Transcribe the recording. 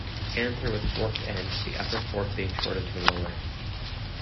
Anther with forked end, the upper fork being shorter than the lower.